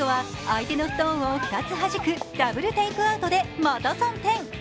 相手はストーンを２つ弾くダブルテイクアウトで３点。